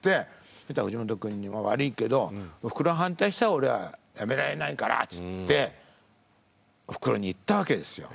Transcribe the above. そしたら藤本君には「悪いけどおふくろ反対したら俺は辞められないから」って言っておふくろに言ったわけですよ。